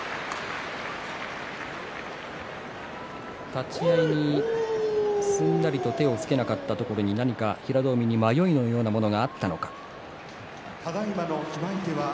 立ち合いにすんなりと手をつけなかったところに何か平戸海に迷いのようなものがあったのか。